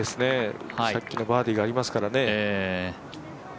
さっきのバーディーがありますからね。